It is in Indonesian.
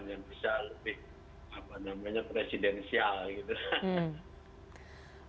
yang bisa lebih presidensial